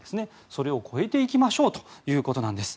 それを超えていきましょうということなんです。